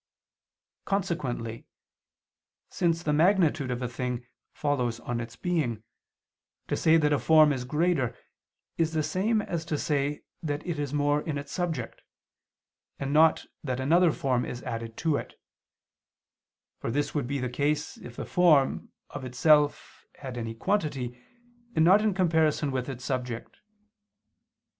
Consequently, since the magnitude of a thing follows on its being, to say that a form is greater is the same as to say that it is more in its subject, and not that another form is added to it: for this would be the case if the form, of itself, had any quantity, and not in comparison with its subject.